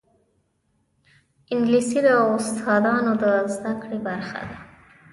انګلیسي د استاذانو د زده کړې برخه ده